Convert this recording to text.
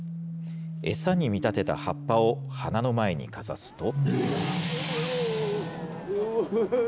餌に見立てた葉っぱを鼻の前にかざすと。